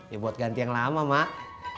ya buat ganti yang lama mak